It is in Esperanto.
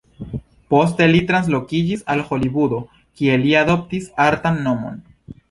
Poste li translokiĝis al Holivudo, kie li adoptis artan nomon.